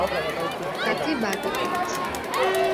তাকে বাগে পেয়েছি।